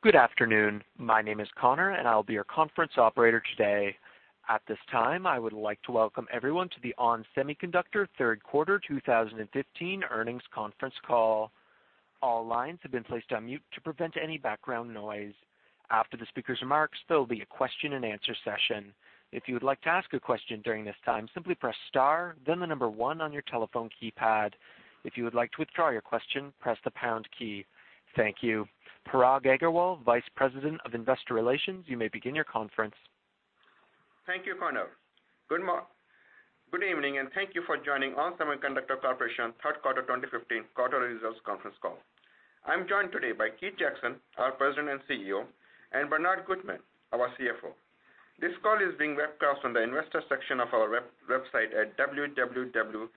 Good afternoon. My name is Connor, and I'll be your conference operator today. At this time, I would like to welcome everyone to the ON Semiconductor third quarter 2015 earnings conference call. All lines have been placed on mute to prevent any background noise. After the speaker's remarks, there will be a question and answer session. If you would like to ask a question during this time, simply press star, then the number 1 on your telephone keypad. If you would like to withdraw your question, press the pound key. Thank you. Parag Agarwal, Vice President of Investor Relations, you may begin your conference. Thank you, Connor. Good evening, and thank you for joining ON Semiconductor Corporation third quarter 2015 quarterly results conference call. I'm joined today by Keith Jackson, our President and CEO, and Bernard Gutmann, our CFO. This call is being webcast on the investor section of our website at www.onsemi.com.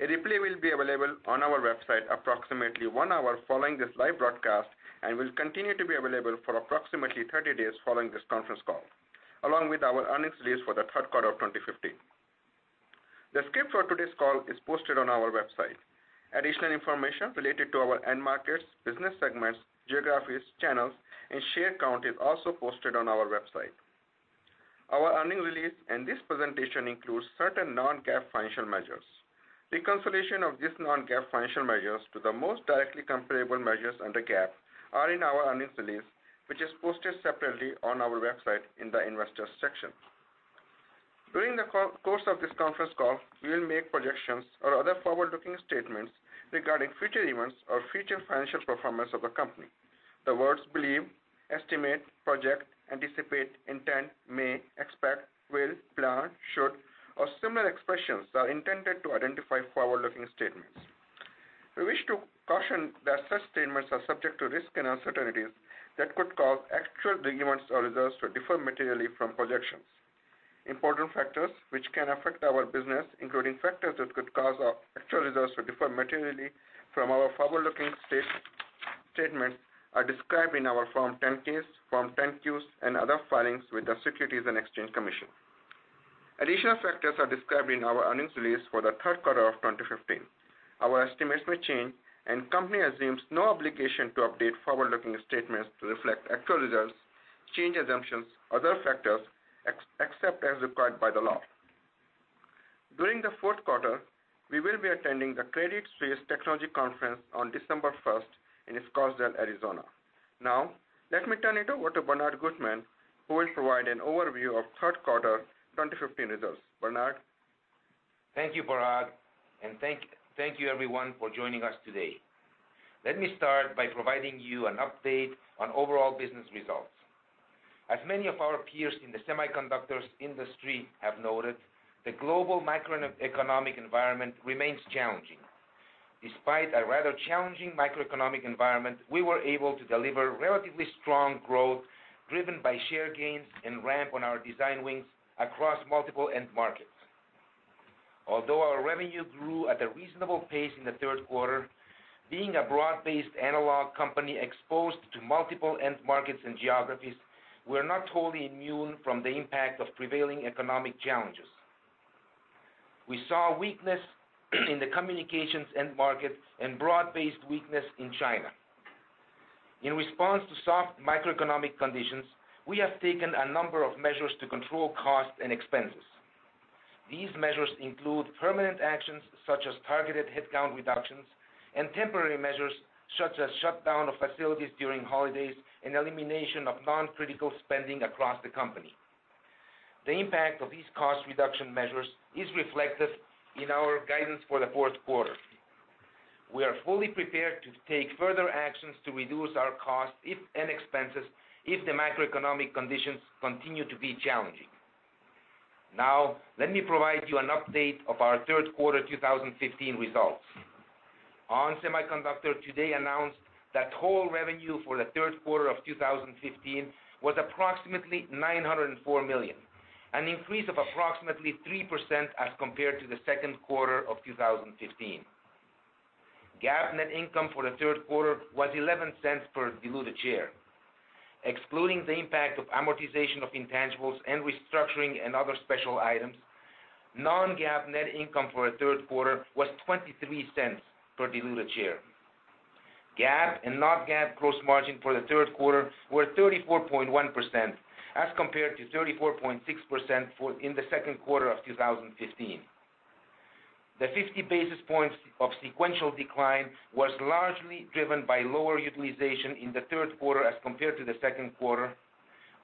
A replay will be available on our website approximately one hour following this live broadcast and will continue to be available for approximately 30 days following this conference call, along with our earnings release for the third quarter of 2015. The script for today's call is posted on our website. Additional information related to our end markets, business segments, geographies, channels, and share count is also posted on our website. Our earnings release and this presentation includes certain non-GAAP financial measures. Reconciliation of these non-GAAP financial measures to the most directly comparable measures under GAAP are in our earnings release, which is posted separately on our website in the investors section. During the course of this conference call, we will make projections or other forward-looking statements regarding future events or future financial performance of the company. The words believe, estimate, project, anticipate, intend, may, expect, will, plan, should, or similar expressions are intended to identify forward-looking statements. We wish to caution that such statements are subject to risks and uncertainties that could cause actual events or results to differ materially from projections. Important factors which can affect our business, including factors that could cause our actual results to differ materially from our forward-looking statements are described in our Form 10-Ks, Form 10-Qs, and other filings with the Securities and Exchange Commission. Additional factors are described in our earnings release for the third quarter of 2015. The company assumes no obligation to update forward-looking statements to reflect actual results, change assumptions, other factors, except as required by the law. During the fourth quarter, we will be attending the Credit Suisse Technology Conference on December 1st in Scottsdale, Arizona. Now, let me turn it over to Bernard Gutmann, who will provide an overview of third quarter 2015 results. Bernard. Thank you, Parag, and thank you, everyone, for joining us today. Let me start by providing you an update on overall business results. As many of our peers in the semiconductors industry have noted, the global macroeconomic environment remains challenging. Despite a rather challenging macroeconomic environment, we were able to deliver relatively strong growth driven by share gains and ramp on our design wins across multiple end markets. Although our revenue grew at a reasonable pace in the third quarter, being a broad-based analog company exposed to multiple end markets and geographies, we're not totally immune from the impact of prevailing economic challenges. We saw weakness in the communications end markets and broad-based weakness in China. In response to soft macroeconomic conditions, we have taken a number of measures to control costs and expenses. These measures include permanent actions such as targeted headcount reductions and temporary measures such as shutdown of facilities during holidays and elimination of non-critical spending across the company. The impact of these cost reduction measures is reflected in our guidance for the fourth quarter. We are fully prepared to take further actions to reduce our costs and expenses if the macroeconomic conditions continue to be challenging. Now, let me provide you an update of our third quarter 2015 results. ON Semiconductor today announced that total revenue for the third quarter of 2015 was approximately $904 million, an increase of approximately 3% as compared to the second quarter of 2015. GAAP net income for the third quarter was $0.11 per diluted share. Excluding the impact of amortization of intangibles and restructuring and other special items, non-GAAP net income for the third quarter was $0.23 per diluted share. GAAP and non-GAAP gross margin for the third quarter were 34.1% as compared to 34.6% in the second quarter of 2015. The 50 basis points of sequential decline was largely driven by lower utilization in the third quarter as compared to the second quarter,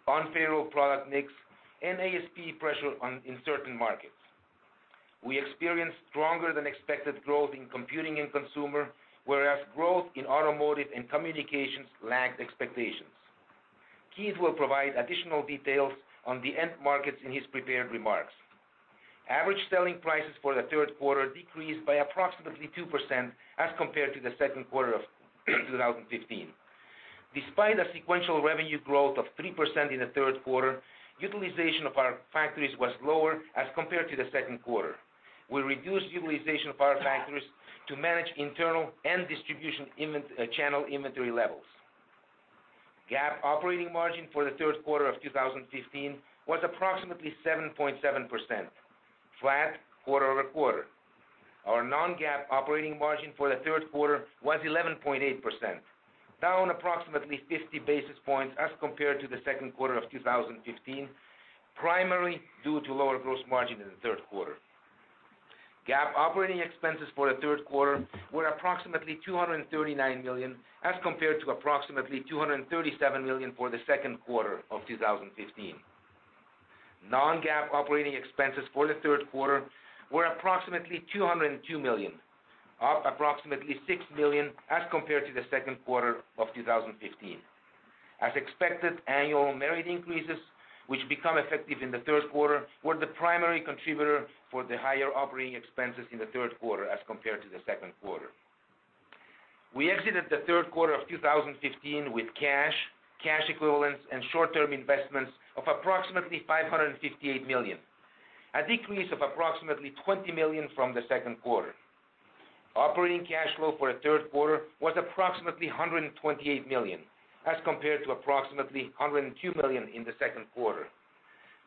unfavorable product mix, and ASP pressure in certain markets. We experienced stronger than expected growth in computing and consumer, whereas growth in automotive and communications lagged expectations. Keith will provide additional details on the end markets in his prepared remarks. Average selling prices for the third quarter decreased by approximately 2% as compared to the second quarter of 2015. Despite a sequential revenue growth of 3% in the third quarter, utilization of our factories was lower as compared to the second quarter. We reduced utilization of our factories to manage internal and distribution channel inventory levels. GAAP operating margin for the third quarter of 2015 was approximately 7.7%, flat quarter-over-quarter. Our non-GAAP operating margin for the third quarter was 11.8%, down approximately 50 basis points as compared to the second quarter of 2015, primarily due to lower gross margin in the third quarter. GAAP operating expenses for the third quarter were approximately $239 million, as compared to approximately $237 million for the second quarter of 2015. Non-GAAP operating expenses for the third quarter were approximately $202 million, up approximately $6 million as compared to the second quarter of 2015. As expected, annual merit increases, which become effective in the third quarter, were the primary contributor for the higher operating expenses in the third quarter as compared to the second quarter. We exited the third quarter of 2015 with cash equivalents, and short-term investments of approximately $558 million, a decrease of approximately $20 million from the second quarter. Operating cash flow for the third quarter was approximately $128 million, as compared to approximately $102 million in the second quarter.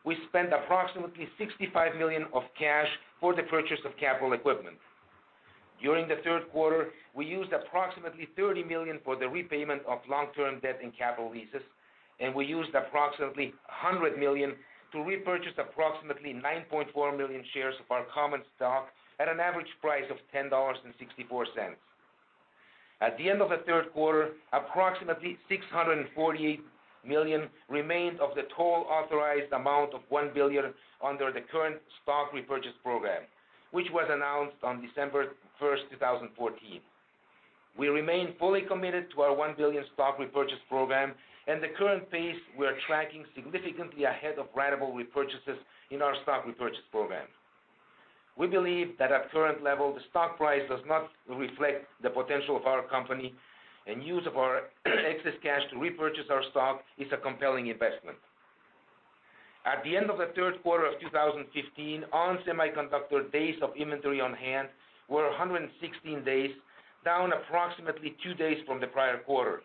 We spent approximately $65 million of cash for the purchase of capital equipment. During the third quarter, we used approximately $30 million for the repayment of long-term debt and capital leases, and we used approximately $100 million to repurchase approximately 9.4 million shares of our common stock at an average price of $10.64. At the end of the third quarter, approximately $648 million remained of the total authorized amount of $1 billion under the current stock repurchase program, which was announced on December 1st, 2014. We remain fully committed to our $1 billion stock repurchase program and the current pace we are tracking significantly ahead of ratable repurchases in our stock repurchase program. We believe that at current level, the stock price does not reflect the potential of our company, and use of our excess cash to repurchase our stock is a compelling investment. At the end of the third quarter of 2015, ON Semiconductor days of inventory on hand were 116 days, down approximately two days from the prior quarter.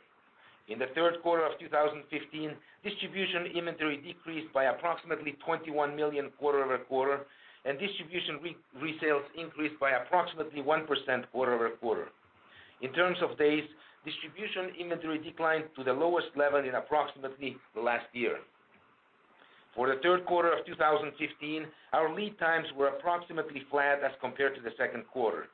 In the third quarter of 2015, distribution inventory decreased by approximately $21 million quarter-over-quarter, and distribution resales increased by approximately 1% quarter-over-quarter. In terms of days, distribution inventory declined to the lowest level in approximately the last year. For the third quarter of 2015, our lead times were approximately flat as compared to the second quarter.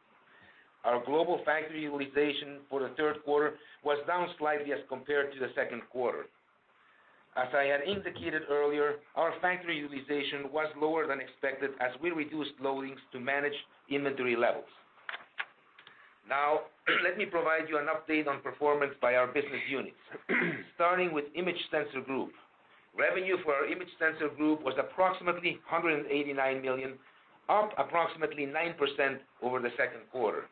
Our global factory utilization for the third quarter was down slightly as compared to the second quarter. As I had indicated earlier, our factory utilization was lower than expected as we reduced loadings to manage inventory levels. Now, let me provide you an update on performance by our business units. Starting with Intelligent Sensing Group. Revenue for our Intelligent Sensing Group was approximately $189 million, up approximately 9% over the second quarter.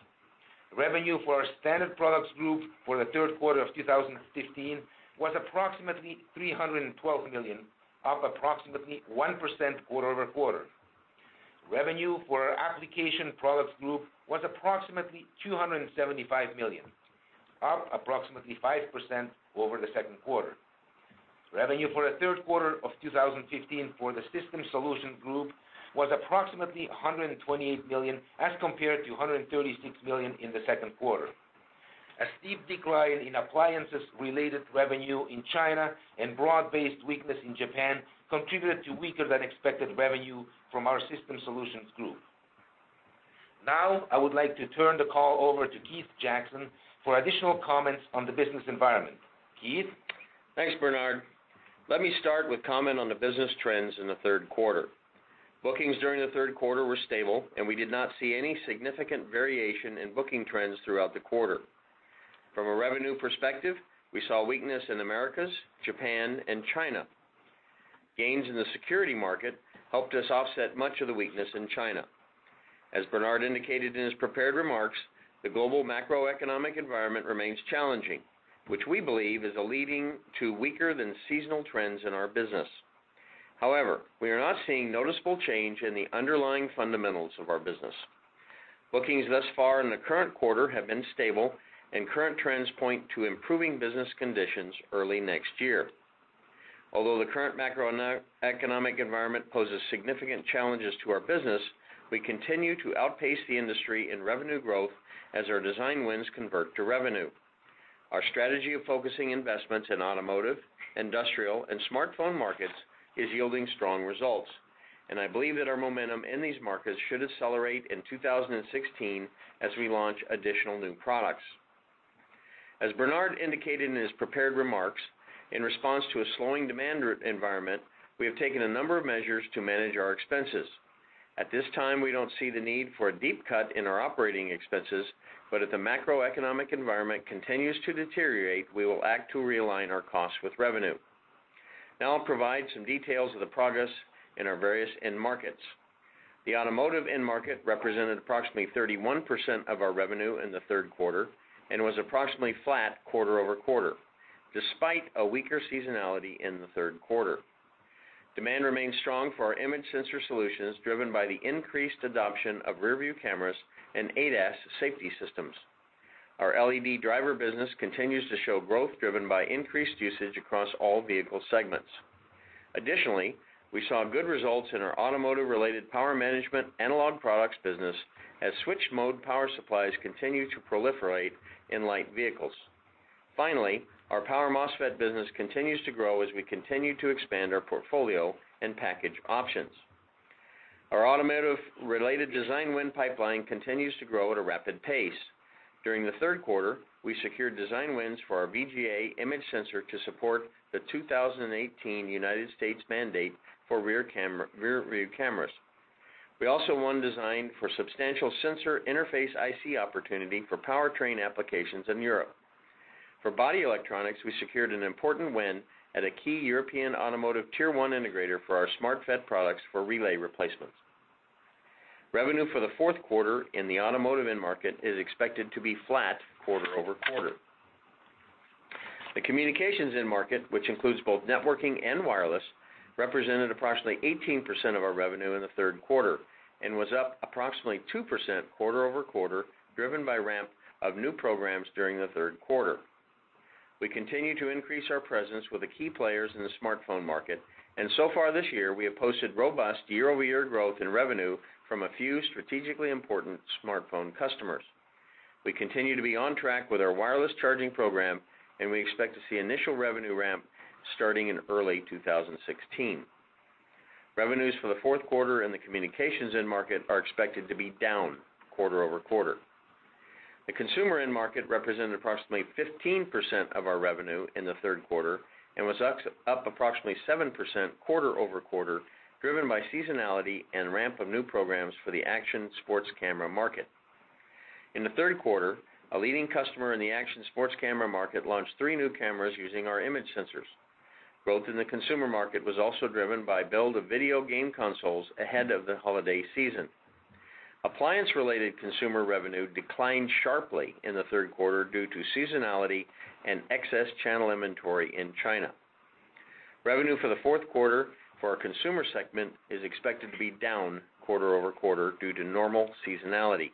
Revenue for our Standard Products Group for the third quarter of 2015 was approximately $312 million, up approximately 1% quarter-over-quarter. Revenue for our Application Products Group was approximately $275 million, up approximately 5% over the second quarter. Revenue for the third quarter of 2015 for the System Solutions Group was approximately $128 million as compared to $136 million in the second quarter. A steep decline in appliances related revenue in China and broad-based weakness in Japan contributed to weaker than expected revenue from our System Solutions Group. Now, I would like to turn the call over to Keith Jackson for additional comments on the business environment. Keith? Thanks, Bernard. Let me start with comment on the business trends in the third quarter. Bookings during the third quarter were stable, and we did not see any significant variation in booking trends throughout the quarter. From a revenue perspective, we saw weakness in Americas, Japan, and China. Gains in the security market helped us offset much of the weakness in China. As Bernard indicated in his prepared remarks, the global macroeconomic environment remains challenging, which we believe is leading to weaker than seasonal trends in our business. However, we are not seeing noticeable change in the underlying fundamentals of our business. Bookings thus far in the current quarter have been stable, and current trends point to improving business conditions early next year. Although the current macroeconomic environment poses significant challenges to our business, we continue to outpace the industry in revenue growth as our design wins convert to revenue. Our strategy of focusing investments in automotive, industrial, and smartphone markets is yielding strong results, and I believe that our momentum in these markets should accelerate in 2016 as we launch additional new products. As Bernard indicated in his prepared remarks, in response to a slowing demand environment, we have taken a number of measures to manage our expenses. At this time, we don't see the need for a deep cut in our operating expenses, but if the macroeconomic environment continues to deteriorate, we will act to realign our costs with revenue. Now I'll provide some details of the progress in our various end markets. The automotive end market represented approximately 31% of our revenue in the third quarter and was approximately flat quarter-over-quarter, despite a weaker seasonality in the third quarter. Demand remains strong for our image sensor solutions, driven by the increased adoption of rearview cameras and ADAS safety systems. Our LED driver business continues to show growth driven by increased usage across all vehicle segments. Additionally, we saw good results in our automotive-related power management analog products business as switched-mode power supplies continue to proliferate in light vehicles. Finally, our power MOSFET business continues to grow as we continue to expand our portfolio and package options. Our automotive-related design win pipeline continues to grow at a rapid pace. During the third quarter, we secured design wins for our VGA image sensor to support the 2018 U.S. mandate for rearview cameras. We also won design for substantial sensor interface IC opportunity for powertrain applications in Europe. For body electronics, we secured an important win at a key European automotive tier 1 integrator for our Smart FET products for relay replacements. Revenue for the fourth quarter in the automotive end market is expected to be flat quarter-over-quarter. The communications end market, which includes both networking and wireless, represented approximately 18% of our revenue in the third quarter and was up approximately 2% quarter-over-quarter, driven by ramp of new programs during the third quarter. We continue to increase our presence with the key players in the smartphone market, and so far this year, we have posted robust year-over-year growth in revenue from a few strategically important smartphone customers. We continue to be on track with our wireless charging program, and we expect to see initial revenue ramp starting in early 2016. Revenues for the fourth quarter in the communications end market are expected to be down quarter-over-quarter. The consumer end market represented approximately 15% of our revenue in the third quarter and was up approximately 7% quarter-over-quarter, driven by seasonality and ramp of new programs for the action sports camera market. In the third quarter, a leading customer in the action sports camera market launched three new cameras using our image sensors. Growth in the consumer market was also driven by build of video game consoles ahead of the holiday season. Appliance-related consumer revenue declined sharply in the third quarter due to seasonality and excess channel inventory in China. Revenue for the fourth quarter for our consumer segment is expected to be down quarter-over-quarter due to normal seasonality.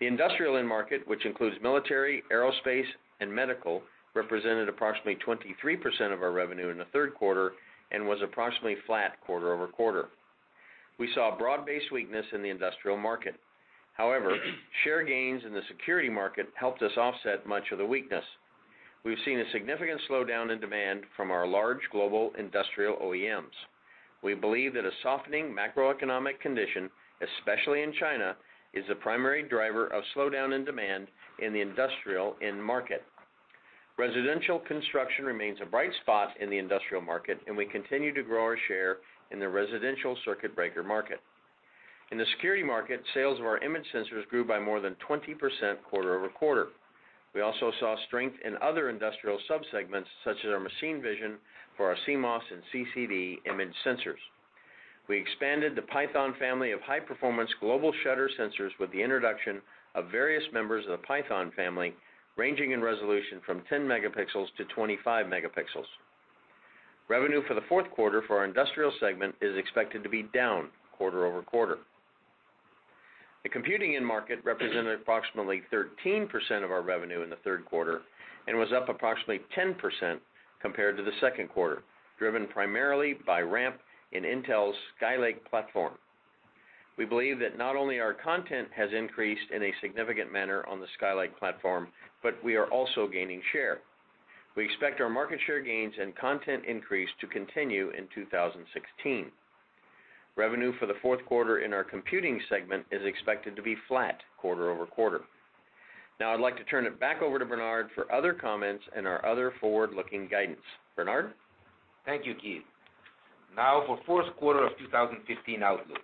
The industrial end market, which includes military, aerospace, and medical, represented approximately 23% of our revenue in the third quarter and was approximately flat quarter-over-quarter. We saw broad-based weakness in the industrial market. However, share gains in the security market helped us offset much of the weakness. We've seen a significant slowdown in demand from our large global industrial OEMs. We believe that a softening macroeconomic condition, especially in China, is the primary driver of slowdown in demand in the industrial end market. Residential construction remains a bright spot in the industrial market, and we continue to grow our share in the residential circuit breaker market. In the security market, sales of our image sensors grew by more than 20% quarter-over-quarter. We also saw strength in other industrial subsegments, such as our machine vision for our CMOS and CCD image sensors. We expanded the PYTHON family of high-performance global shutter sensors with the introduction of various members of the PYTHON family, ranging in resolution from 10 megapixels to 25 megapixels. Revenue for the fourth quarter for our industrial segment is expected to be down quarter-over-quarter. The computing end market represented approximately 13% of our revenue in the third quarter and was up approximately 10% compared to the second quarter, driven primarily by ramp in Intel's Skylake platform. We believe that not only our content has increased in a significant manner on the Skylake platform, but we are also gaining share. We expect our market share gains and content increase to continue in 2016. Revenue for the fourth quarter in our computing segment is expected to be flat quarter-over-quarter. Now I'd like to turn it back over to Bernard for other comments and our other forward-looking guidance. Bernard? Thank you, Keith. Now for fourth quarter of 2015 outlook.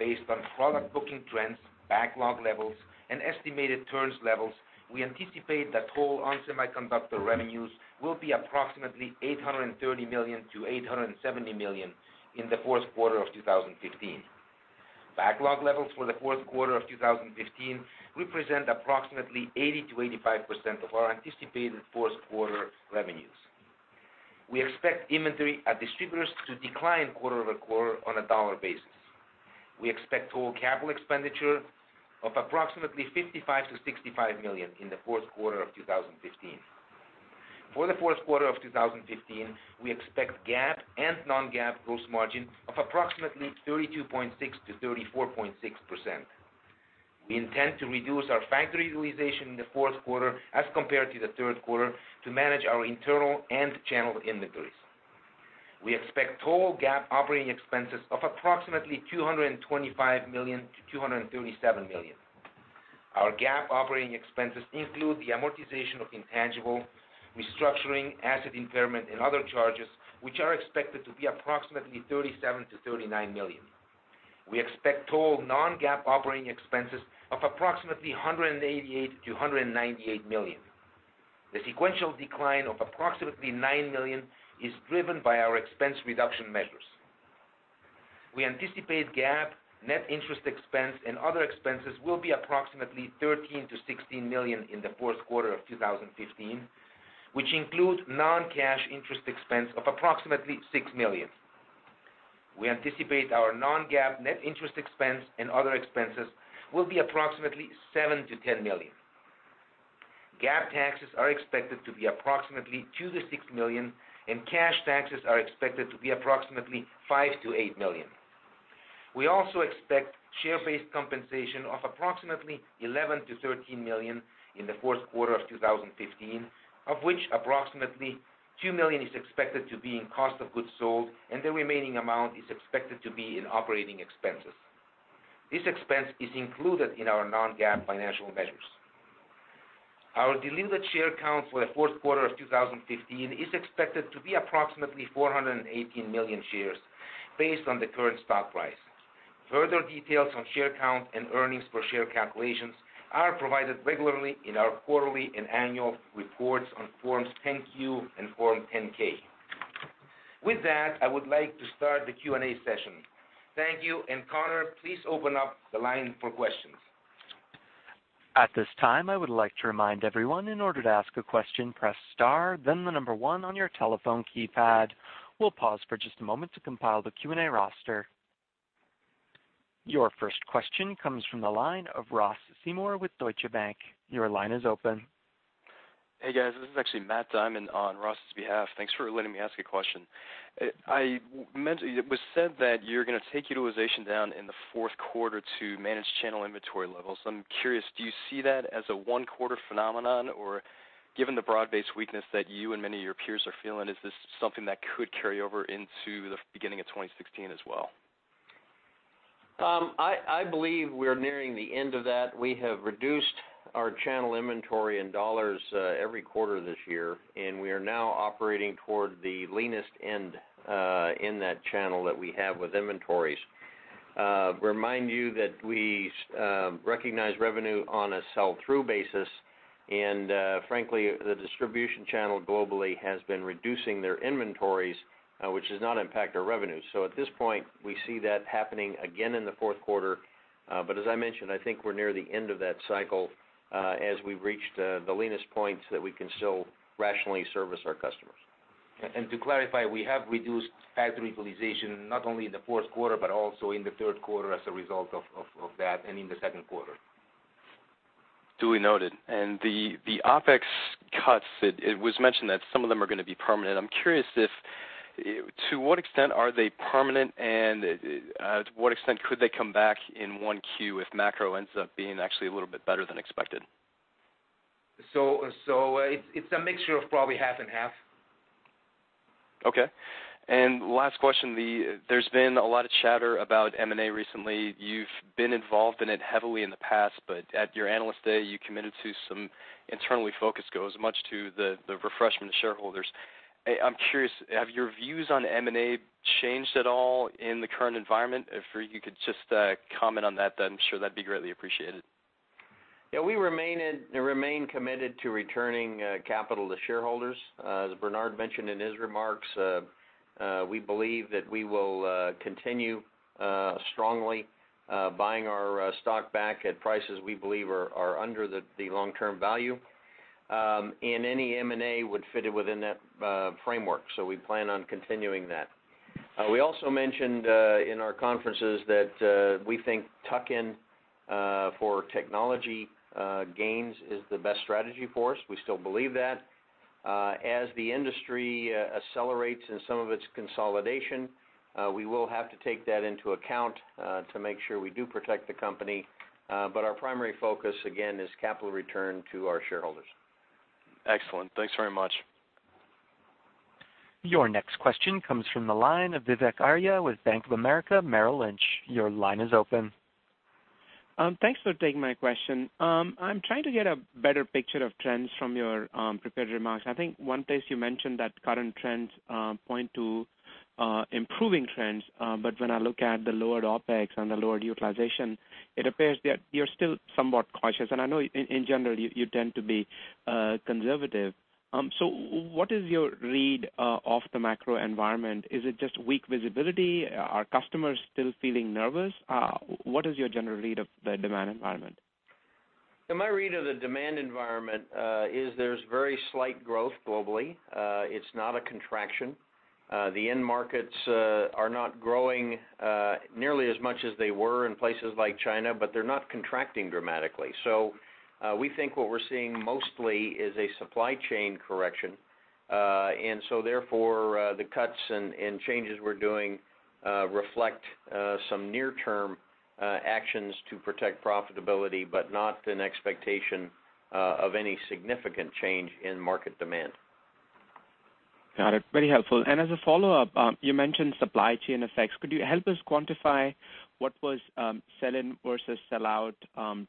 Based on product booking trends, backlog levels, and estimated turns levels, we anticipate that total ON Semiconductor revenues will be approximately $830 million-$870 million in the fourth quarter of 2015. Backlog levels for the fourth quarter of 2015 represent approximately 80%-85% of our anticipated fourth quarter revenues. We expect inventory at distributors to decline quarter-over-quarter on a dollar basis. We expect total capital expenditure of approximately $55 million-$65 million in the fourth quarter of 2015. For the fourth quarter of 2015, we expect GAAP and non-GAAP gross margin of approximately 32.6%-34.6%. We intend to reduce our factory utilization in the fourth quarter as compared to the third quarter to manage our internal and channel inventories. We expect total GAAP operating expenses of approximately $225 million-$237 million. Our GAAP operating expenses include the amortization of intangible, restructuring, asset impairment, and other charges, which are expected to be approximately $37 million-$39 million. We expect total non-GAAP operating expenses of approximately $188 million-$198 million. The sequential decline of approximately $9 million is driven by our expense reduction measures. We anticipate GAAP net interest expense and other expenses will be approximately $13 million-$16 million in the fourth quarter of 2015, which includes non-cash interest expense of approximately $6 million. We anticipate our non-GAAP net interest expense and other expenses will be approximately $7 million-$10 million. GAAP taxes are expected to be approximately $2 million-$6 million, and cash taxes are expected to be approximately $5 million-$8 million. We also expect share-based compensation of approximately $11 million-$13 million in the fourth quarter of 2015, of which approximately $2 million is expected to be in cost of goods sold, and the remaining amount is expected to be in operating expenses. This expense is included in our non-GAAP financial measures. Our diluted share count for the fourth quarter of 2015 is expected to be approximately 418 million shares, based on the current stock price. Further details on share count and earnings per share calculations are provided regularly in our quarterly and annual reports on Forms 10-Q and Form 10-K. With that, I would like to start the Q&A session. Thank you, and Connor, please open up the line for questions. At this time, I would like to remind everyone, in order to ask a question, press star, then the number 1 on your telephone keypad. We'll pause for just a moment to compile the Q&A roster. Your first question comes from the line of Ross Seymour with Deutsche Bank. Your line is open. Hey, guys. This is actually Matt Diamond on Ross's behalf. Thanks for letting me ask a question. It was said that you're going to take utilization down in the fourth quarter to manage channel inventory levels. I'm curious, do you see that as a one-quarter phenomenon? Given the broad-based weakness that you and many of your peers are feeling, is this something that could carry over into the beginning of 2016 as well? I believe we are nearing the end of that. We have reduced our channel inventory in dollars every quarter this year, and we are now operating toward the leanest end in that channel that we have with inventories. Remind you that we recognize revenue on a sell-through basis, and frankly, the distribution channel globally has been reducing their inventories, which does not impact our revenue. At this point, we see that happening again in the fourth quarter. As I mentioned, I think we're near the end of that cycle as we've reached the leanest points that we can still rationally service our customers. To clarify, we have reduced factory utilization, not only in the fourth quarter, but also in the third quarter as a result of that, and in the second quarter. Duly noted. The OpEx cuts, it was mentioned that some of them are going to be permanent. I'm curious if, to what extent are they permanent, and to what extent could they come back in 1Q if macro ends up being actually a little bit better than expected? It's a mixture of probably half and half. Okay. Last question. There's been a lot of chatter about M&A recently. You've been involved in it heavily in the past, but at your Analyst Day, you committed to some internally focused goals, much to the refreshment of shareholders. I'm curious, have your views on M&A changed at all in the current environment? If you could just comment on that, then I'm sure that'd be greatly appreciated. We remain committed to returning capital to shareholders. As Bernard mentioned in his remarks, we believe that we will continue strongly buying our stock back at prices we believe are under the long-term value. Any M&A would fit within that framework, we plan on continuing that. We also mentioned in our conferences that we think tuck-in for technology gains is the best strategy for us. We still believe that. The industry accelerates in some of its consolidation, we will have to take that into account to make sure we do protect the company. Our primary focus, again, is capital return to our shareholders. Excellent. Thanks very much. Your next question comes from the line of Vivek Arya with Bank of America Merrill Lynch. Your line is open. Thanks for taking my question. I'm trying to get a better picture of trends from your prepared remarks. I think one place you mentioned that current trends point to improving trends, but when I look at the lowered OpEx and the lowered utilization, it appears that you're still somewhat cautious, and I know in general you tend to be conservative. What is your read of the macro environment? Is it just weak visibility? Are customers still feeling nervous? What is your general read of the demand environment? My read of the demand environment is there's very slight growth globally. It's not a contraction. The end markets are not growing nearly as much as they were in places like China, but they're not contracting dramatically. We think what we're seeing mostly is a supply chain correction. Therefore, the cuts and changes we're doing reflect some near-term actions to protect profitability, but not an expectation of any significant change in market demand. Got it. Very helpful. As a follow-up, you mentioned supply chain effects. Could you help us quantify what was sell-in versus sell-out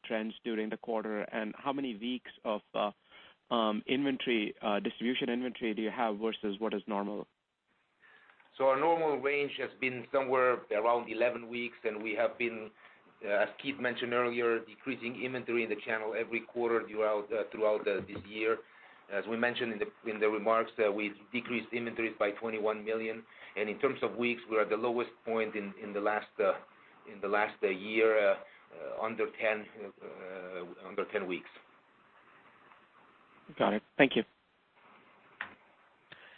trends during the quarter, and how many weeks of distribution inventory do you have versus what is normal? Our normal range has been somewhere around 11 weeks, and we have been As Keith mentioned earlier, decreasing inventory in the channel every quarter throughout this year. As we mentioned in the remarks, we've decreased inventories by $21 million. In terms of weeks, we're at the lowest point in the last year, under 10 weeks. Got it. Thank you.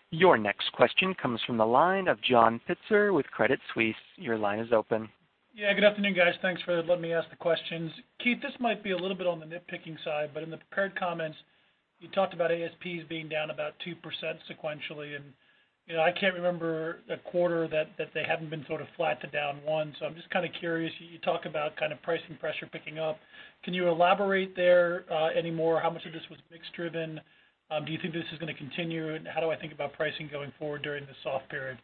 Your next question comes from the line of John Pitzer with Credit Suisse. Your line is open. Good afternoon, guys. Thanks for letting me ask the questions. Keith, this might be a little bit on the nitpicking side, but in the prepared comments, you talked about ASPs being down about 2% sequentially. I can't remember a quarter that they haven't been sort of flat to down one. I'm just kind of curious, you talk about pricing pressure picking up. Can you elaborate there, any more, how much of this was mix driven? Do you think this is going to continue, and how do I think about pricing going forward during the soft period?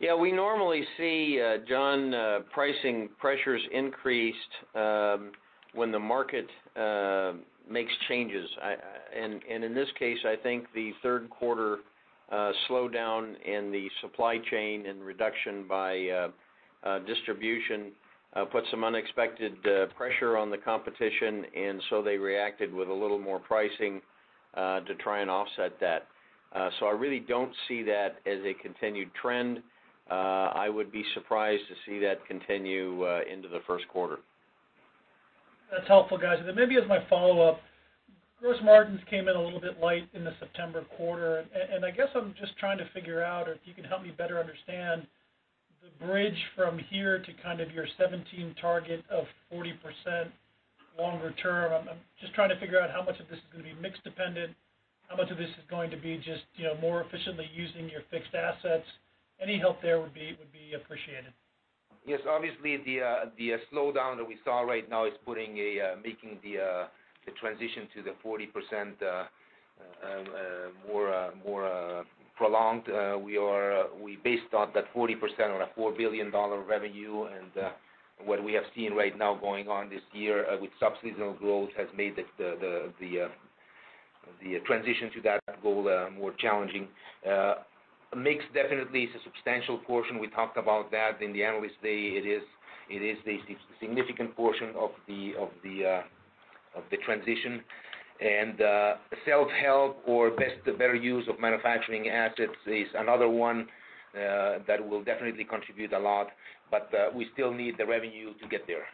Yeah, we normally see, John, pricing pressures increased when the market makes changes. In this case, I think the third quarter slowdown in the supply chain and reduction by distribution put some unexpected pressure on the competition, so they reacted with a little more pricing to try and offset that. I really don't see that as a continued trend. I would be surprised to see that continue into the first quarter. That's helpful, guys. Maybe as my follow-up, gross margins came in a little bit light in the September quarter, I guess I'm just trying to figure out or if you can help me better understand the bridge from here to kind of your 2017 target of 40% longer term. I'm just trying to figure out how much of this is going to be mix dependent, how much of this is going to be just more efficiently using your fixed assets. Any help there would be appreciated. Yes. Obviously, the slowdown that we saw right now is making the transition to the 40% more prolonged. We based on that 40% on a $4 billion revenue, what we have seen right now going on this year with sub-seasonal growth has made the transition to that goal more challenging. Mix definitely is a substantial portion. We talked about that in the Analyst Day. It is the significant portion of the transition, self-help or better use of manufacturing assets is another one that will definitely contribute a lot. We still need the revenue to get there.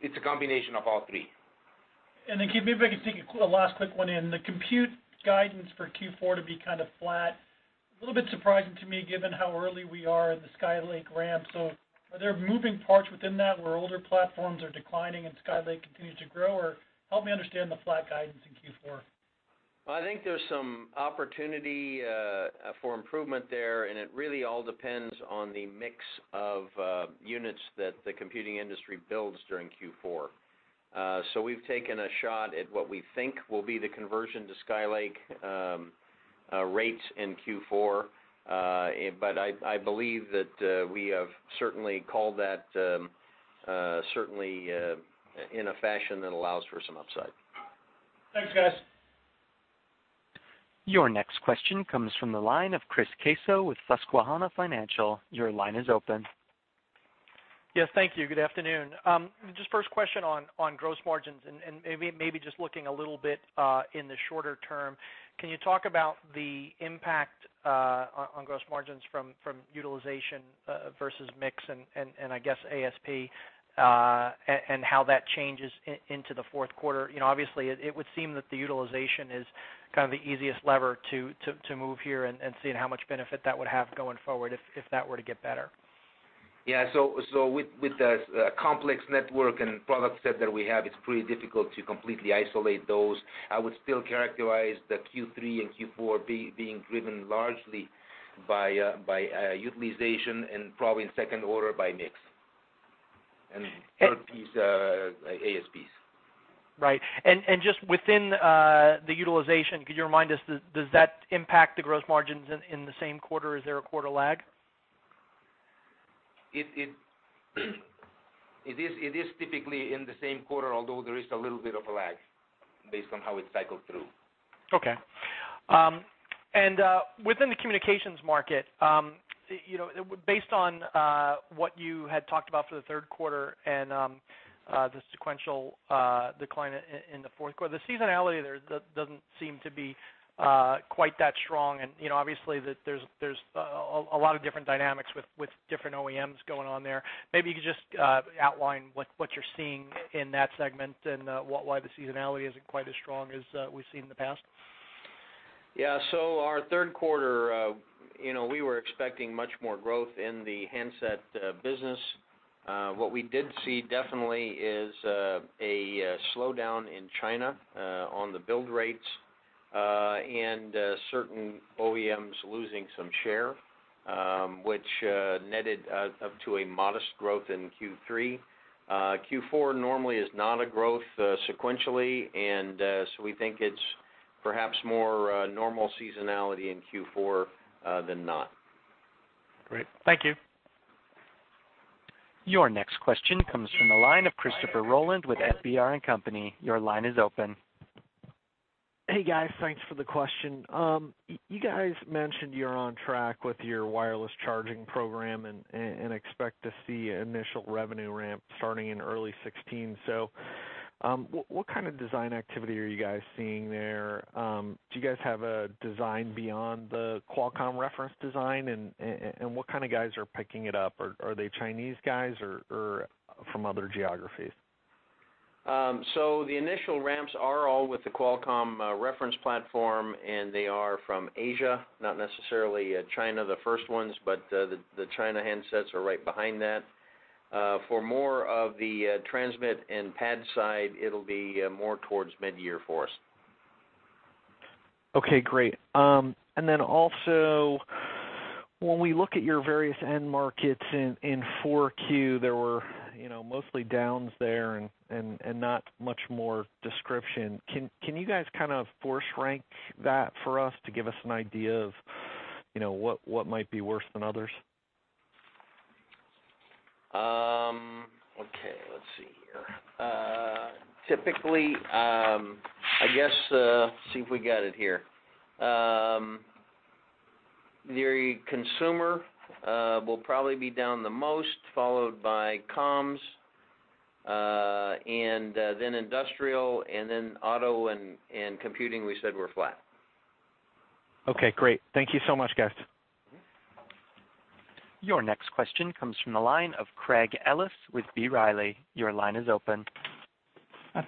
It's a combination of all three. Keith, maybe I can take a last quick one in. The compute guidance for Q4 to be kind of flat, a little bit surprising to me given how early we are in the Skylake ramp. Are there moving parts within that where older platforms are declining and Skylake continues to grow, or help me understand the flat guidance in Q4. I think there's some opportunity for improvement there, it really all depends on the mix of units that the computing industry builds during Q4. We've taken a shot at what we think will be the conversion to Skylake rates in Q4. I believe that we have certainly called that certainly in a fashion that allows for some upside. Thanks, guys. Your next question comes from the line of Chris Caso with Susquehanna Financial. Your line is open. Yes, thank you. Good afternoon. Just first question on gross margins and maybe just looking a little bit in the shorter term. Can you talk about the impact on gross margins from utilization versus mix and I guess ASP, how that changes into the fourth quarter? Obviously, it would seem that the utilization is kind of the easiest lever to move here seeing how much benefit that would have going forward if that were to get better. Yeah. With the complex network and product set that we have, it's pretty difficult to completely isolate those. I would still characterize the Q3 and Q4 being driven largely by utilization and probably in second order by mix, and third piece, ASPs. Right. Just within the utilization, could you remind us, does that impact the gross margins in the same quarter? Is there a quarter lag? It is typically in the same quarter, although there is a little bit of a lag based on how it's cycled through. Okay. Within the communications market, based on what you had talked about for the third quarter and the sequential decline in the fourth quarter, the seasonality there doesn't seem to be quite that strong, and obviously there's a lot of different dynamics with different OEMs going on there. Maybe you could just outline what you're seeing in that segment and why the seasonality isn't quite as strong as we've seen in the past. Yeah. Our third quarter, we were expecting much more growth in the handset business. What we did see definitely is a slowdown in China on the build rates, and certain OEMs losing some share, which netted up to a modest growth in Q3. Q4 normally is not a growth sequentially. We think it's perhaps more normal seasonality in Q4 than not. Great. Thank you. Your next question comes from the line of Christopher Rolland with FBR & Co.. Your line is open. Hey, guys. Thanks for the question. You guys mentioned you're on track with your wireless charging program and expect to see initial revenue ramp starting in early 2016. What kind of design activity are you guys seeing there? Do you guys have a design beyond the Qualcomm reference design? What kind of guys are picking it up? Are they Chinese guys or from other geographies? The initial ramps are all with the Qualcomm reference platform, and they are from Asia, not necessarily China, the first ones, but the China handsets are right behind that. For more of the transmit and pad side, it will be more towards mid-year for us. Okay, great. Also, when we look at your various end markets in 4Q, there were mostly downs there and not much more description. Can you guys force rank that for us to give us an idea of what might be worse than others? Okay, let's see here. Typically, I guess, let's see if we got it here. Consumer will probably be down the most, followed by comms, and then industrial, and then auto, and computing we said we are flat. Okay, great. Thank you so much, guys. Your next question comes from the line of Craig Ellis with B. Riley. Your line is open.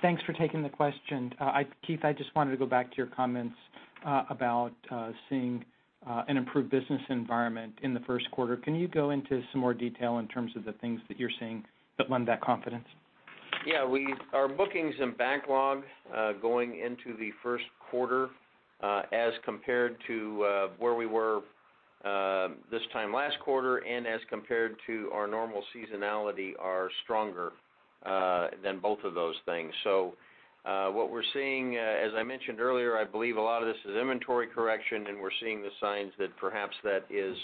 Thanks for taking the question. Keith, I just wanted to go back to your comments about seeing an improved business environment in the first quarter. Can you go into some more detail in terms of the things that you're seeing that lend that confidence? Yeah. Our bookings and backlogs going into the first quarter, as compared to where we were this time last quarter and as compared to our normal seasonality, are stronger than both of those things. What we're seeing, as I mentioned earlier, I believe a lot of this is inventory correction, and we're seeing the signs that perhaps that is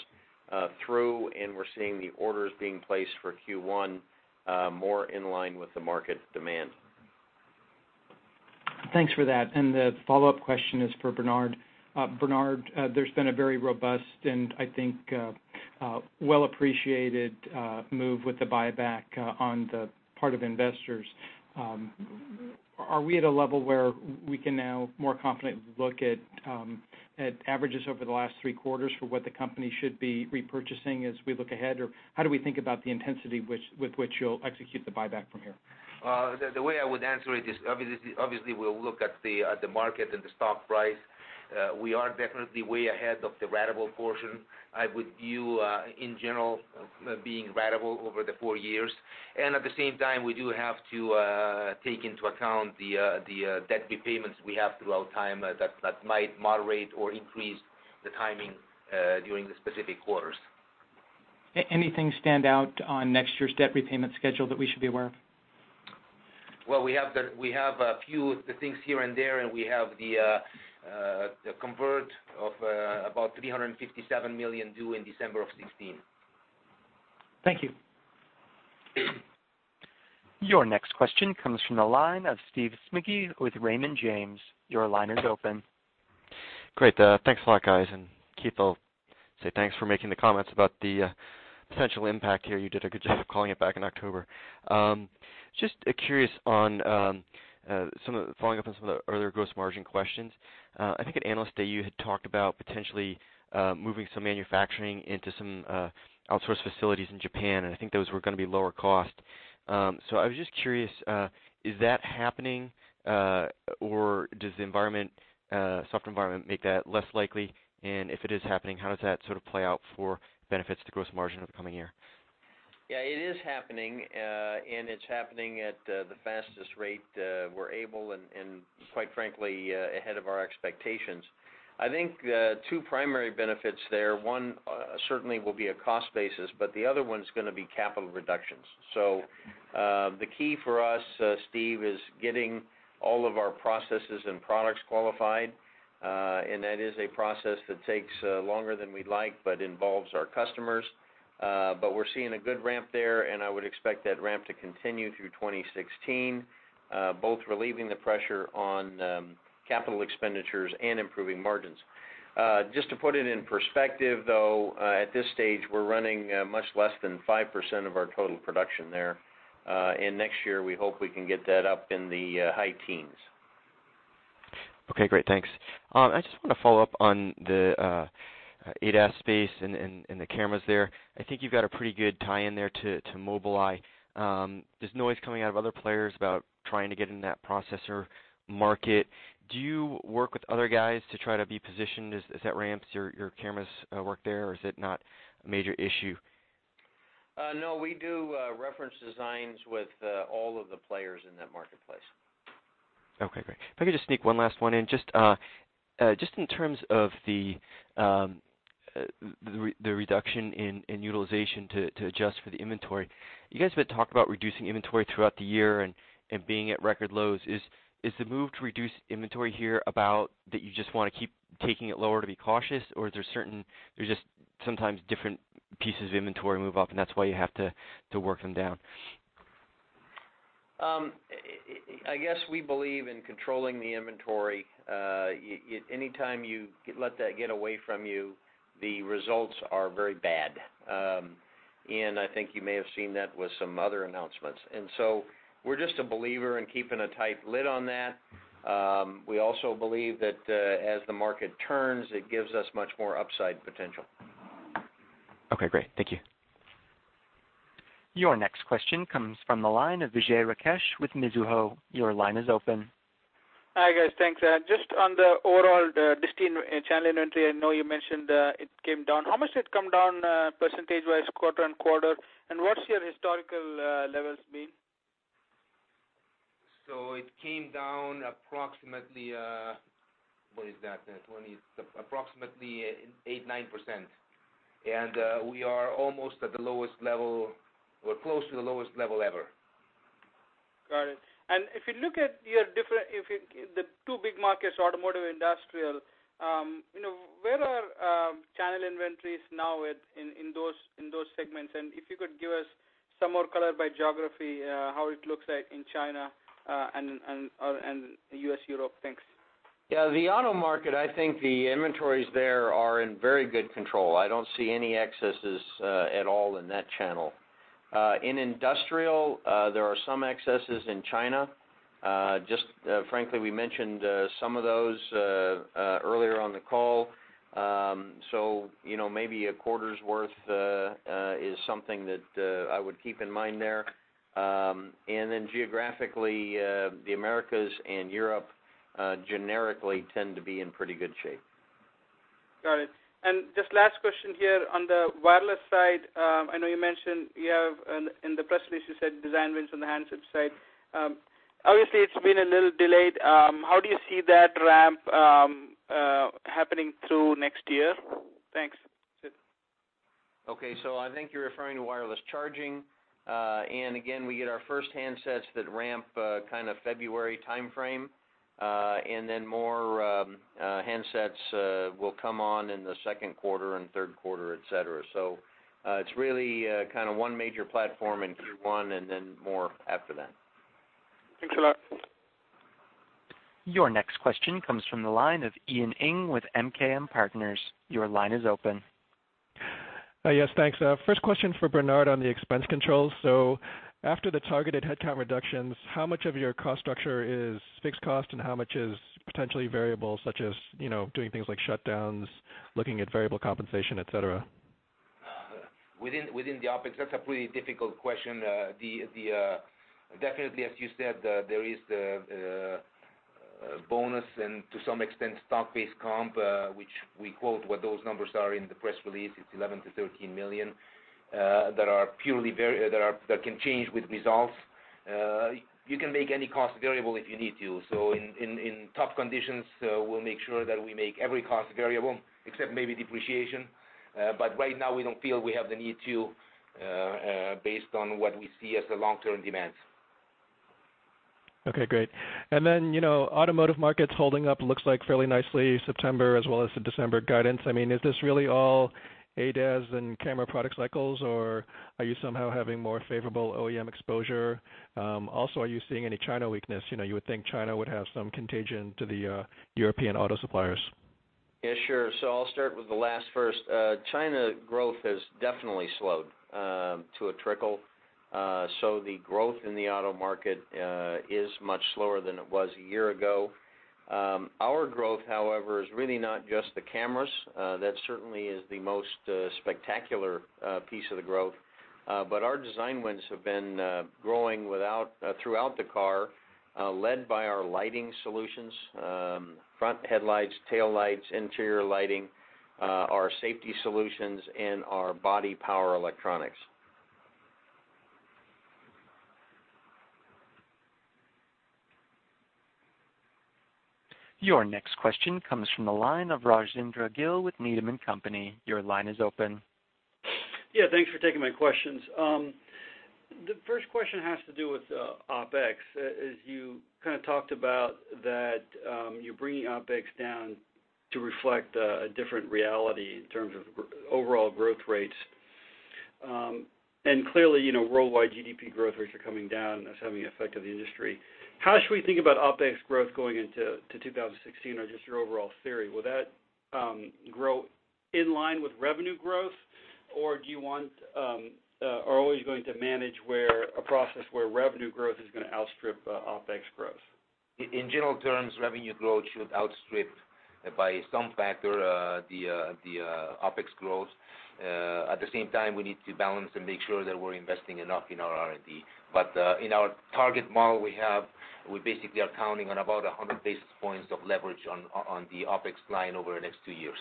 through, and we're seeing the orders being placed for Q1 more in line with the market demand. Thanks for that. The follow-up question is for Bernard. Bernard, there's been a very robust and I think well-appreciated move with the buyback on the part of investors. Are we at a level where we can now more confidently look at averages over the last three quarters for what the company should be repurchasing as we look ahead? Or how do we think about the intensity with which you'll execute the buyback from here? The way I would answer it is, obviously, we'll look at the market and the stock price. We are definitely way ahead of the ratable portion. I would view, in general, being ratable over the four years. At the same time, we do have to take into account the debt repayments we have throughout time that might moderate or increase the timing during the specific quarters. Anything stand out on next year's debt repayment schedule that we should be aware of? Well, we have a few of the things here and there, and we have the convert of about $357 million due in December of 2016. Thank you. Your next question comes from the line of Steven Smigie with Raymond James. Your line is open. Great. Thanks a lot, guys, Keith, I'll say thanks for making the comments about the potential impact here. You did a good job of calling it back in October. I am just curious, following up on some of the other gross margin questions. I think at Analyst Day, you had talked about potentially moving some manufacturing into some outsource facilities in Japan, I think those were going to be lower cost. I was just curious, is that happening? Does the soft environment make that less likely? If it is happening, how does that sort of play out for benefits to gross margin over the coming year? Yeah, it is happening. It's happening at the fastest rate we're able and quite frankly, ahead of our expectations. I think two primary benefits there. One, certainly will be a cost basis, but the other one's going to be capital reductions. The key for us, Steve, is getting all of our processes and products qualified. That is a process that takes longer than we'd like, but involves our customers. We're seeing a good ramp there, and I would expect that ramp to continue through 2016, both relieving the pressure on capital expenditures and improving margins. Just to put it in perspective, though, at this stage, we're running much less than 5% of our total production there. Next year, we hope we can get that up in the high teens. Okay, great. Thanks. I just want to follow up on the ADAS space and the cameras there. I think you've got a pretty good tie-in there to Mobileye. There's noise coming out of other players about trying to get in that processor market. Do you work with other guys to try to be positioned as that ramps your camera's work there, or is it not a major issue? No, we do reference designs with all of the players in that marketplace. Okay, great. If I could just sneak one last one in. Just in terms of the reduction in utilization to adjust for the inventory. You guys have been talking about reducing inventory throughout the year and being at record lows. Is the move to reduce inventory here about that you just want to keep taking it lower to be cautious, or there's just sometimes different pieces of inventory move up, and that's why you have to work them down? I guess we believe in controlling the inventory. Anytime you let that get away from you, the results are very bad. I think you may have seen that with some other announcements. We're just a believer in keeping a tight lid on that. We also believe that as the market turns, it gives us much more upside potential. Okay, great. Thank you. Your next question comes from the line of Vijay Rakesh with Mizuho. Your line is open. Hi, guys. Thanks. Just on the overall disti channel inventory, I know you mentioned it came down. How much did it come down percentage-wise quarter-on-quarter, and what's your historical levels been? It came down approximately, what is that? Approximately 8%, 9%. We are almost at the lowest level or close to the lowest level ever. Got it. If you look at the two big markets, automotive, industrial, where are channel inventories now at in those segments? If you could give us some more color by geography, how it looks like in China and the U.S., Europe. Thanks. Yeah. The auto market, I think the inventories there are in very good control. I don't see any excesses at all in that channel. In industrial, there are some excesses in China. Just frankly, we mentioned some of those earlier on the call. Maybe a quarter's worth is something that I would keep in mind there. Geographically, the Americas and Europe generically tend to be in pretty good shape. Got it. Just last question here on the wireless side, I know you mentioned you have in the press release, you said design wins on the handsets side. Obviously, it's been a little delayed. How do you see that ramp happening through next year? Thanks. I think you're referring to wireless charging. We get our first handsets that ramp kind of February timeframe, then more handsets will come on in the second quarter and third quarter, et cetera. It's really kind of one major platform in Q1 and then more after that. Thanks a lot. Your next question comes from the line of Ian Ing with MKM Partners. Your line is open. Yes, thanks. First question for Bernard on the expense controls. After the targeted headcount reductions, how much of your cost structure is fixed cost and how much is potentially variable, such as doing things like shutdowns, looking at variable compensation, et cetera? Within the OpEx, that's a pretty difficult question. Definitely, as you said, there is the bonus and to some extent, stock-based comp, which we quote what those numbers are in the press release. It's $11 million-$13 million that can change with results. You can make any cost variable if you need to. In tough conditions, we'll make sure that we make every cost variable except maybe depreciation. Right now, we don't feel we have the need to, based on what we see as the long-term demands. Okay, great. Then automotive markets holding up looks like fairly nicely September as well as the December guidance. Is this really all ADAS and camera product cycles, or are you somehow having more favorable OEM exposure? Are you seeing any China weakness? You would think China would have some contagion to the European auto suppliers. I'll start with the last first. China growth has definitely slowed to a trickle. The growth in the auto market is much slower than it was a year ago. Our growth, however, is really not just the cameras. That certainly is the most spectacular piece of the growth. Our design wins have been growing throughout the car, led by our lighting solutions, front headlights, tail lights, interior lighting, our safety solutions, and our body power electronics. Your next question comes from the line of Rajvindra Gill with Needham & Company. Your line is open. Yeah, thanks for taking my questions. The first question has to do with OpEx, as you kind of talked about that you're bringing OpEx down to reflect a different reality in terms of overall growth rates. Clearly, worldwide GDP growth rates are coming down and it's having an effect on the industry. How should we think about OpEx growth going into 2016 or just your overall theory? Will that grow in line with revenue growth, or are always going to manage a process where revenue growth is going to outstrip OpEx growth? In general terms, revenue growth should outstrip by some factor the OpEx growth. At the same time, we need to balance and make sure that we're investing enough in our R&D. In our target model, we basically are counting on about 100 basis points of leverage on the OpEx line over the next two years.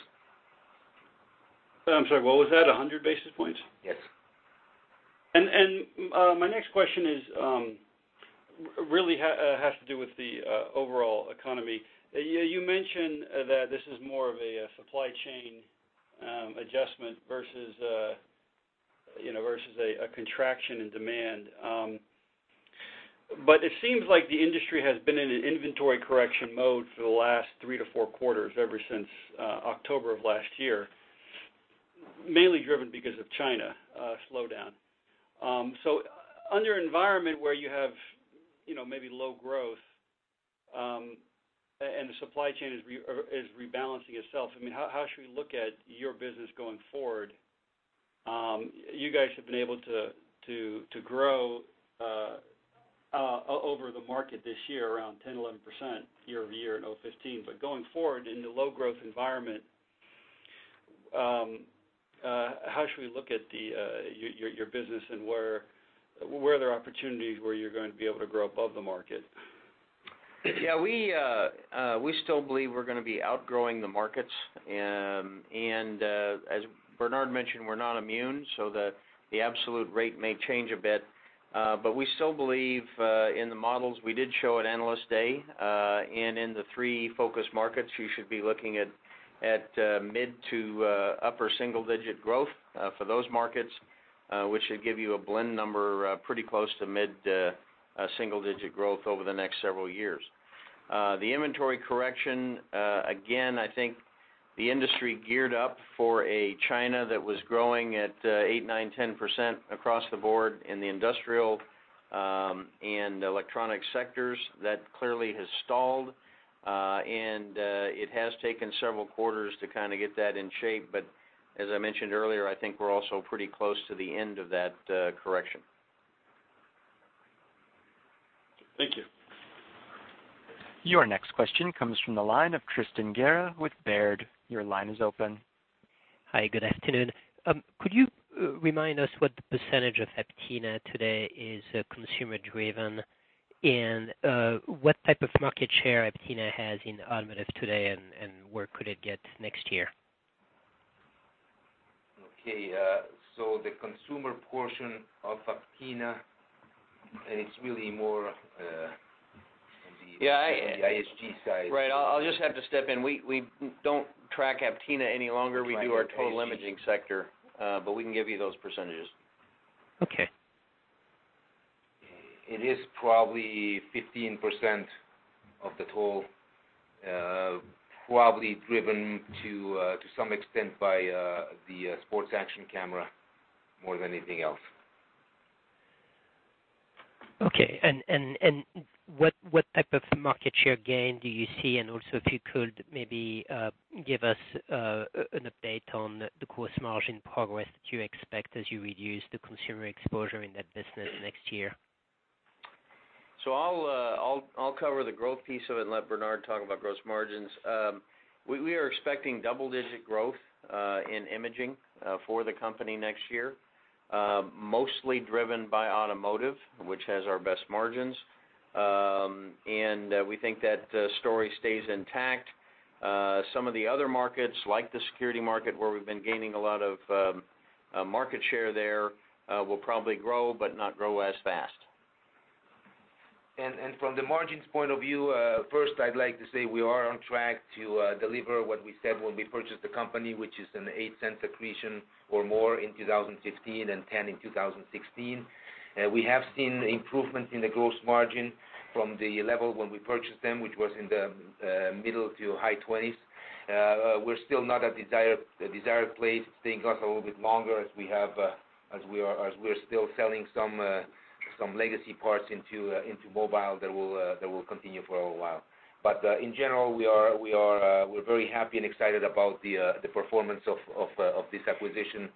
I'm sorry, what was that? 100 basis points? Yes. My next question really has to do with the overall economy. You mentioned that this is more of a supply chain adjustment versus a contraction in demand. It seems like the industry has been in an inventory correction mode for the last three to four quarters, ever since October of last year. Mainly driven because of China slowdown. Under environment where you have maybe low growth, and the supply chain is rebalancing itself, how should we look at your business going forward? You guys have been able to grow over the market this year around 10%-11% year-over-year in 2015. Going forward in the low-growth environment, how should we look at your business and where are there opportunities where you're going to be able to grow above the market? Yeah, we still believe we're going to be outgrowing the markets. As Bernard mentioned, we're not immune, so the absolute rate may change a bit. We still believe in the models we did show at Analyst Day. In the three focus markets, you should be looking at mid to upper single-digit growth for those markets, which should give you a blend number pretty close to mid-single digit growth over the next several years. The inventory correction, again, I think the industry geared up for a China that was growing at 8%, 9%, 10% across the board in the industrial and electronic sectors. That clearly has stalled, and it has taken several quarters to kind of get that in shape. As I mentioned earlier, I think we're also pretty close to the end of that correction. Thank you. Your next question comes from the line of Tristan Gerra with Baird. Your line is open. Hi, good afternoon. Could you remind us what the percentage of Aptina today is consumer-driven, and what type of market share Aptina has in automotive today, and where could it get next year? Okay, the consumer portion of Aptina is really more on the ISG side. Right. I'll just have to step in. We don't track Aptina any longer. We do our total imaging sector. We can give you those %. Okay. It is probably 15% of the total, probably driven to some extent by the sports action camera more than anything else. Okay. What type of market share gain do you see? Also, if you could maybe give us an update on the gross margin progress that you expect as you reduce the consumer exposure in that business next year. I'll cover the growth piece of it and let Bernard talk about gross margins. We are expecting double-digit growth in imaging for the company next year. Mostly driven by automotive, which has our best margins. We think that story stays intact. Some of the other markets, like the security market, where we've been gaining a lot of market share there, will probably grow, but not grow as fast. From the margins point of view, first, I'd like to say we are on track to deliver what we said when we purchased the company, which is an $0.08 accretion or more in 2015 and $0.10 in 2016. We have seen improvement in the gross margin from the level when we purchased them, which was in the middle to high 20s. We're still not at the desired place. It's taking us a little bit longer as we're still selling some legacy parts into mobile that will continue for a little while. In general, we're very happy and excited about the performance of this acquisition,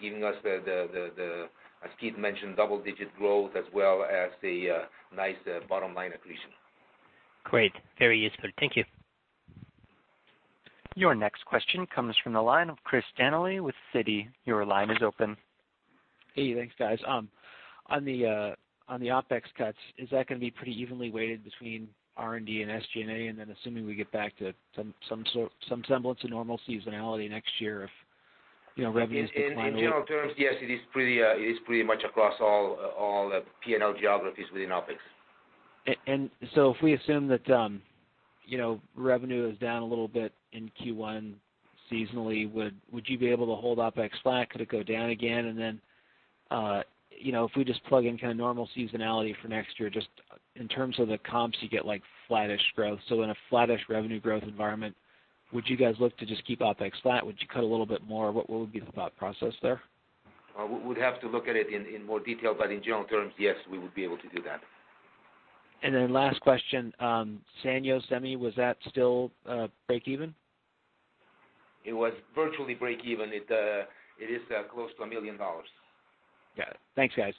giving us the, as Keith mentioned, double-digit growth as well as the nice bottom-line accretion. Great. Very useful. Thank you. Your next question comes from the line of Christopher Danely with Citi. Your line is open. Hey, thanks, guys. On the OpEx cuts, is that going to be pretty evenly weighted between R&D and SG&A? Assuming we get back to some semblance of normal seasonality next year of revenue decline? In general terms, yes, it is pretty much across all P&L geographies within OpEx. If we assume that revenue is down a little bit in Q1 seasonally, would you be able to hold OpEx flat? Could it go down again? If we just plug in kind of normal seasonality for next year, just in terms of the comps, you get flattish growth. In a flattish revenue growth environment, would you guys look to just keep OpEx flat? Would you cut a little bit more? What would be the thought process there? We would have to look at it in more detail. In general terms, yes, we would be able to do that. Last question. Sanyo Semiconductor, was that still breakeven? It was virtually breakeven. It is close to $1 million. Got it. Thanks, guys.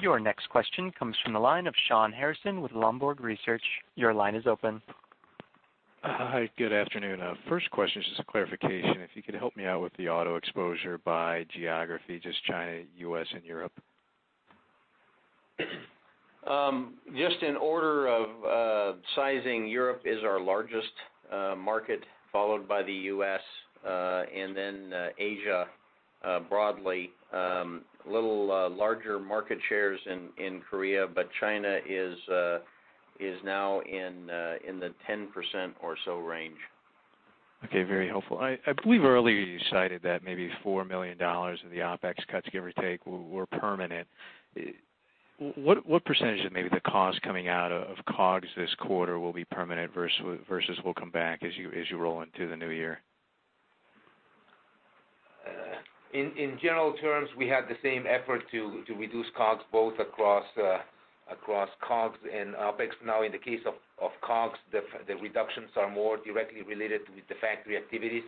Your next question comes from the line of Shawn Harrison with Longbow Research. Your line is open. Hi, good afternoon. First question is just a clarification. If you could help me out with the auto exposure by geography, just China, U.S., and Europe. Just in order of sizing, Europe is our largest market, followed by the U.S., and then Asia broadly. Little larger market shares in Korea, but China is now in the 10% or so range. Okay. Very helpful. I believe earlier you cited that maybe $4 million of the OpEx cuts, give or take, were permanent. What % of maybe the cost coming out of COGS this quarter will be permanent versus will come back as you roll into the new year? In general terms, we had the same effort to reduce COGS both across COGS and OpEx. In the case of COGS, the reductions are more directly related with the factory activities.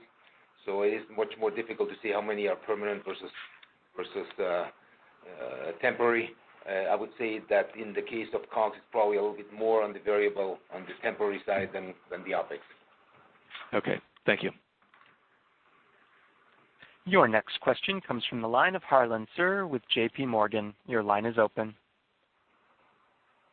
It is much more difficult to see how many are permanent versus temporary. I would say that in the case of COGS, it's probably a little bit more on the variable, on the temporary side than the OpEx. Okay. Thank you. Your next question comes from the line of Harlan Sur with J.P. Morgan. Your line is open.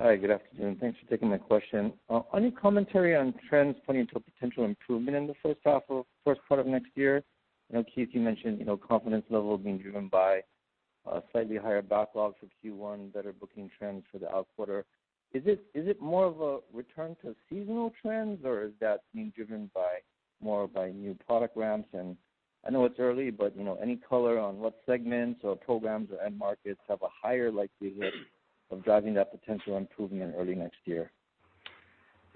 Hi. Good afternoon. Thanks for taking my question. Any commentary on trends pointing to a potential improvement in the first half or first part of next year? I know, Keith, you mentioned confidence level being driven by slightly higher backlogs for Q1, better booking trends for the outquarter. Is it more of a return to seasonal trends, or is that being driven more by new product ramps? I know it's early, but any color on what segments or programs or end markets have a higher likelihood of driving that potential improvement early next year?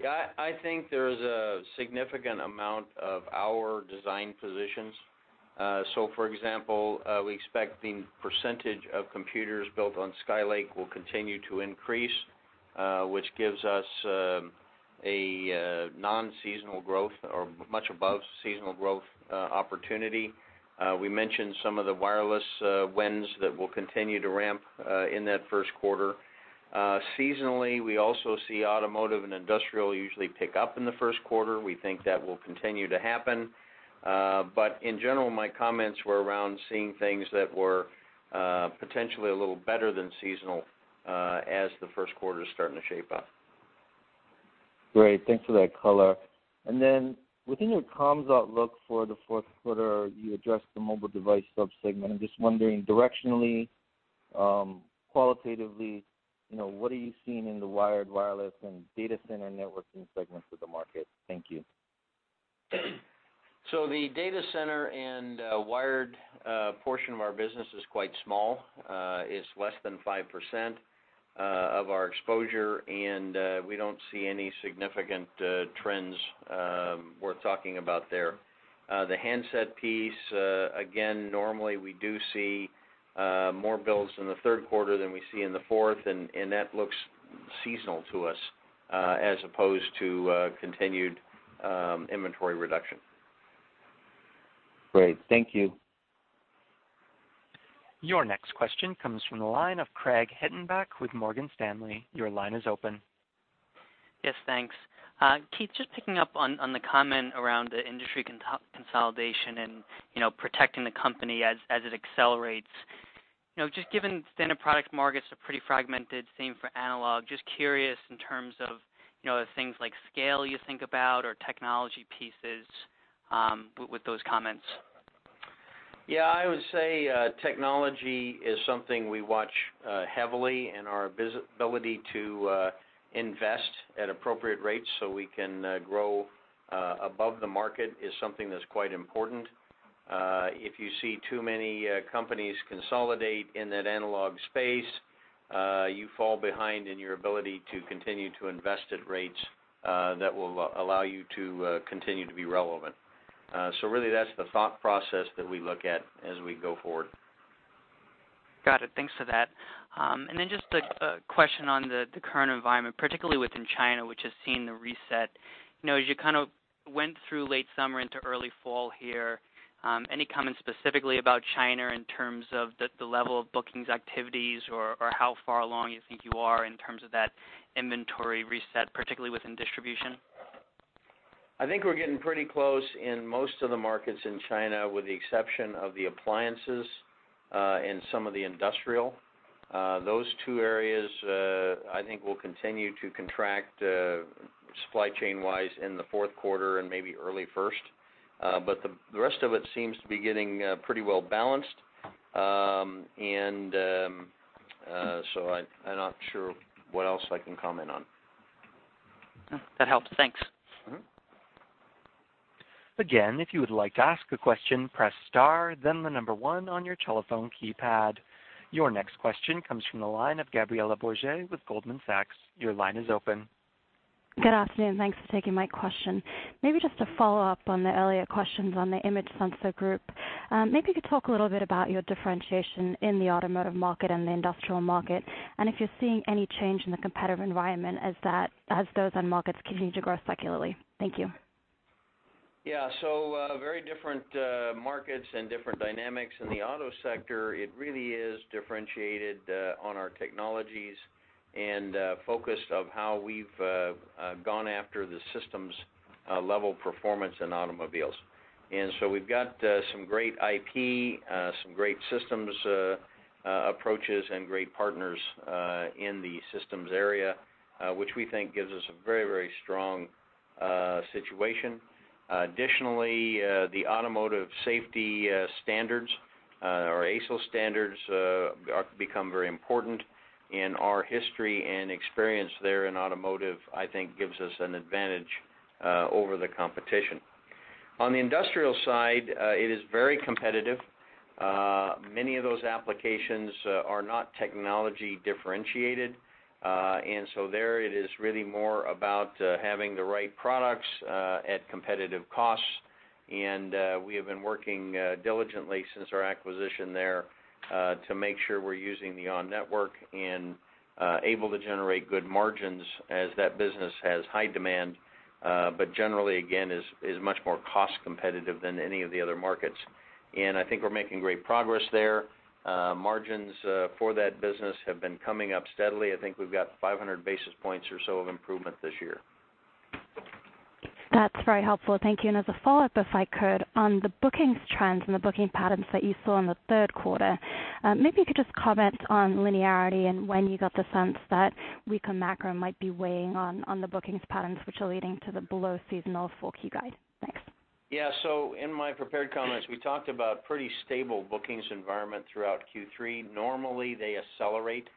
Yeah, I think there is a significant amount of our design positions. For example, we expect the percentage of computers built on Skylake will continue to increase, which gives us a non-seasonal growth or much above seasonal growth opportunity. We mentioned some of the wireless wins that will continue to ramp in that first quarter. Seasonally, we also see automotive and industrial usually pick up in the first quarter. We think that will continue to happen. In general, my comments were around seeing things that were potentially a little better than seasonal as the first quarter is starting to shape up. Great. Thanks for that color. Within your comms outlook for the fourth quarter, you addressed the mobile device sub-segment. I'm just wondering directionally, qualitatively, what are you seeing in the wired, wireless, and data center networking segments of the market? Thank you. The data center and wired portion of our business is quite small. It's less than 5% of our exposure, and we don't see any significant trends worth talking about there. The handset piece, again, normally we do see more builds in the third quarter than we see in the fourth, and that looks seasonal to us as opposed to continued inventory reduction. Great. Thank you. Your next question comes from the line of Craig Hettenbach with Morgan Stanley. Your line is open. Yes, thanks. Keith, just picking up on the comment around the industry consolidation and protecting the company as it accelerates. Just given standard product markets are pretty fragmented, same for analog, just curious in terms of the things like scale you think about or technology pieces with those comments. Yeah, I would say technology is something we watch heavily. Our ability to invest at appropriate rates so we can grow above the market is something that's quite important. If you see too many companies consolidate in that analog space, you fall behind in your ability to continue to invest at rates that will allow you to continue to be relevant. Really, that's the thought process that we look at as we go forward. Got it. Thanks for that. Then just a question on the current environment, particularly within China, which has seen the reset. As you kind of went through late summer into early fall here, any comments specifically about China in terms of the level of bookings activities or how far along you think you are in terms of that inventory reset, particularly within distribution? I think we're getting pretty close in most of the markets in China, with the exception of the appliances and some of the industrial. Those two areas, I think will continue to contract supply chain-wise in the fourth quarter and maybe early first. The rest of it seems to be getting pretty well balanced. I'm not sure what else I can comment on. That helps. Thanks. If you would like to ask a question, press star, then the number one on your telephone keypad. Your next question comes from the line of Gabriela Borges with Goldman Sachs. Your line is open. Good afternoon. Thanks for taking my question. Maybe just to follow up on the earlier questions on the image sensor group. Maybe you could talk a little bit about your differentiation in the automotive market and the industrial market, and if you're seeing any change in the competitive environment as those end markets continue to grow secularly. Thank you. Very different markets and different dynamics. In the auto sector, it really is differentiated on our technologies and focused of how we've gone after the systems-level performance in automobiles. We've got some great IP, some great systems approaches, and great partners in the systems area, which we think gives us a very strong situation. Additionally, the automotive safety standards, our ASIL standards, have become very important. Our history and experience there in automotive, I think, gives us an advantage over the competition. On the industrial side, it is very competitive. Many of those applications are not technology differentiated. There it is really more about having the right products at competitive costs. We have been working diligently since our acquisition there to make sure we're using the ON network and able to generate good margins as that business has high demand. Generally, again, is much more cost competitive than any of the other markets. I think we're making great progress there. Margins for that business have been coming up steadily. I think we've got 500 basis points or so of improvement this year. That's very helpful. Thank you. As a follow-up, if I could, on the bookings trends and the booking patterns that you saw in the third quarter, maybe you could just comment on linearity and when you got the sense that weaker macro might be weighing on the bookings patterns which are leading to the below seasonal full year guide. Thanks. Yeah. In my prepared comments, we talked about pretty stable bookings environment throughout Q3. Normally, they accelerate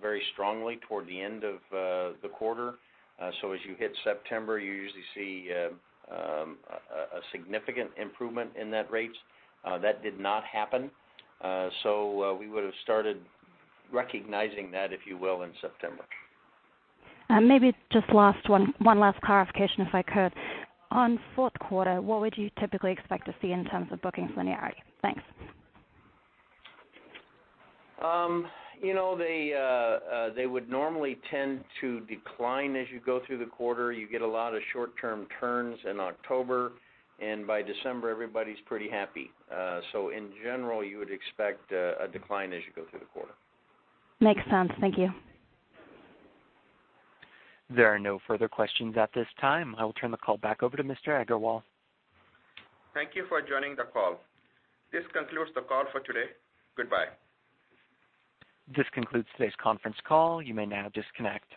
very strongly toward the end of the quarter. As you hit September, you usually see a significant improvement in that rate. That did not happen. We would've started recognizing that, if you will, in September. Maybe just one last clarification if I could. On fourth quarter, what would you typically expect to see in terms of bookings linearity? Thanks. They would normally tend to decline as you go through the quarter. You get a lot of short-term turns in October, and by December, everybody's pretty happy. In general, you would expect a decline as you go through the quarter. Makes sense. Thank you. There are no further questions at this time. I will turn the call back over to Mr. Agarwal. Thank you for joining the call. This concludes the call for today. Goodbye. This concludes today's conference call. You may now disconnect.